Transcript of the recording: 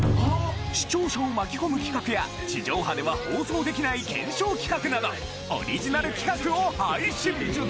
視聴者を巻き込む企画や地上波では放送できない検証企画などオリジナル企画を配信！